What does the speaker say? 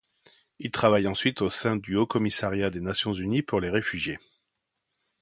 Il travaille ensuite au sein du Haut commissariat des Nations unies pour les réfugiés.